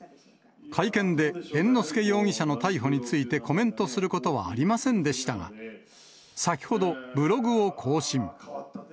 会見で、猿之助容疑者の逮捕についてコメントすることはありませんでしたが、先ほど、ブログを更新。